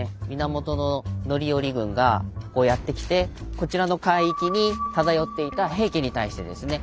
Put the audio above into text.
源範頼軍がやって来てこちらの海域に漂っていた平家に対してですね